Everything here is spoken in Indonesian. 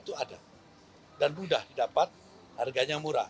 itu ada dan mudah didapat harganya murah